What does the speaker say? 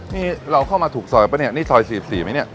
นี่เราเข้ามาถูกซอยปะเนี่ยนี่ซอย๔๔ไหมเนี่ย